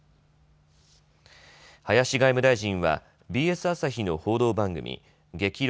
林外務大臣はＢＳ朝日の報道番組、激論！